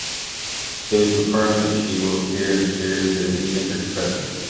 It was confirmed that she will appear in the series as eccentric professor.